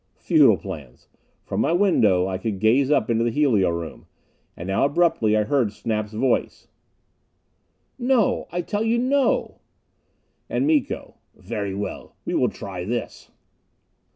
Futile plans! From my window I could gaze up to the helio room. And now abruptly I heard Snap's voice: "No! I tell you no!" And Miko: "Very well. We will try this."